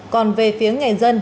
còn về phía nghề dân